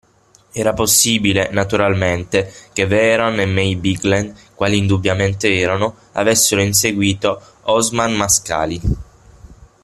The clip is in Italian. Era possibile, naturalmente, che Vehrehan e May Bigland, quali indubbiamente erano, avessero inseguito Osman Mascali.